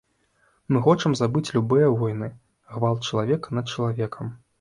Мы хочам забыць любыя войны, гвалт чалавека над чалавекам.